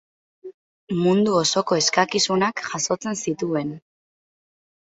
Mundu osoko eskakizunak jasotzen zituen.